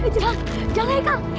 jangan jangan ya kak